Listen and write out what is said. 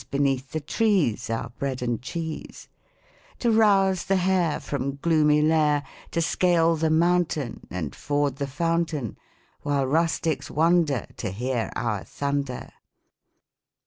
Beneath the trees, Our bread and cheese ! To rouse the hare From gloomy lair ; To scale the mountain ^ And ford the fountain, While rustics wonder To hear our thunder."